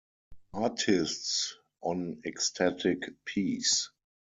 Artists on Ecstatic Peace!